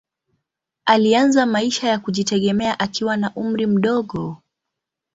Alianza maisha ya kujitegemea akiwa na umri mdogo.